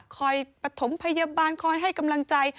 ปฐมพยาบาลคอยให้กำลังใจ